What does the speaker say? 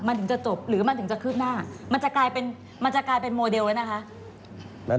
มันถึงจะจบหรือมันถึงจะขึ้นหน้ามันจะกลายเป็นโมเดลเลยนะคะ